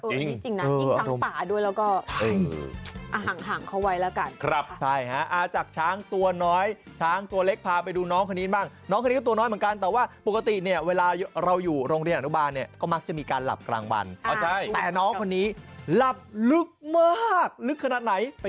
จริงจริงจริงจริงจริงจริงจริงจริงจริงจริงจริงจริงจริงจริงจริงจริงจริงจริงจริงจริงจริงจริงจริงจริงจริงจริงจริงจริงจริงจริงจริงจริงจริงจริงจริงจริงจริงจริงจริงจริงจริงจริงจริงจริงจริ